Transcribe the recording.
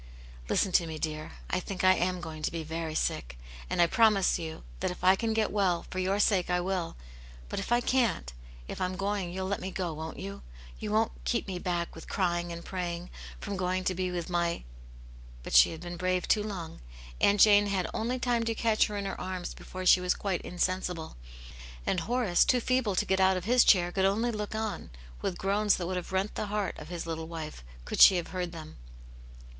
Listen to me, dear ! I think I am going to be very sick. And I promise you that if I can get well, for your sake, I will. But if I can't — if Tm going you'll let me go, won't you ? You won't keep me tack with crying and praying, from going to be with my —'•—" But she had been brave too long. Aunt Jane had only time to catch her in her arms before she was quite insensible ; and Horace, too feeble to get out of his chair, could only look on, with groans that would have rent the heart of his little wife, could she have heard them.